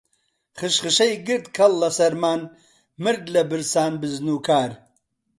خشخشەی گرت کەڵ لە سەرمان، مرد لە برسان بزن و کار